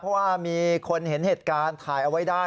เพราะว่ามีคนเห็นเหตุการณ์ถ่ายเอาไว้ได้